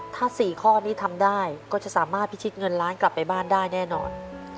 ถ้า๔ข้อนี้ทำได้ก็จะสามารถพิชิตเงินล้านกลับไปบ้านได้แน่นอน